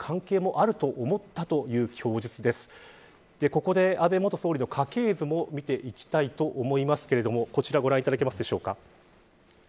ここで安倍元総理の家系図も見ていきたいと思いますけれどもこちらご覧いただけますでしょうか。